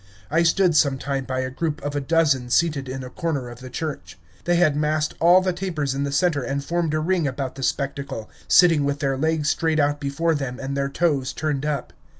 I stood some time by a group of a dozen seated in a corner of the church. They had massed all the tapers in the center and formed a ring about the spectacle, sitting with their legs straight out before them and their toes turned up.